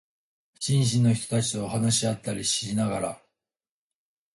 新進の人たちと話し合ったりしながら、